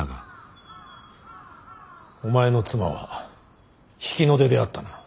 お前の妻は比企の出であったな。